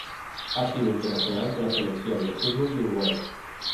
Ha sido internacional con la Selección de fútbol de Uruguay.